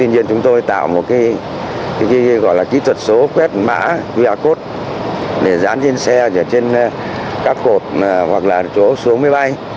đây gọi là kỹ thuật số quét mã qr code để dán trên xe trên các cột hoặc là chỗ xuống máy bay